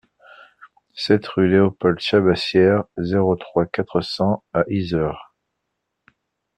sept rue Léopold Chabassière, zéro trois, quatre cents à Yzeure